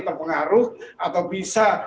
terpengaruh atau bisa